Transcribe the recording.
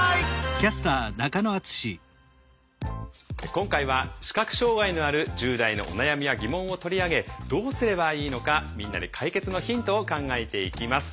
今回は視覚障害のある１０代のお悩みや疑問を取り上げどうすればいいのかみんなで解決のヒントを考えていきます。